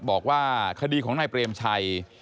บอกว่าคดีของนายเปรมชัย